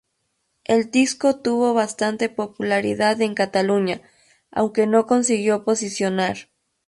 El disco tuvo bastante popularidad en Cataluña, aunque no consiguió posicionar.